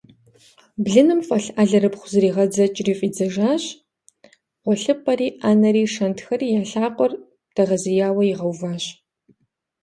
Блыным фӀэлъ алэрыбгъур зэригъэдзэкӀри фӀидзэжащ, гъуэлъыпӀэри, Ӏэнэри, шэнтхэри я лъакъуэр дэгъэзеяуэ игъэуващ.